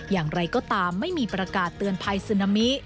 อย่างไรก็ตามไม่มีประกาศเตือนภัยซึนามิ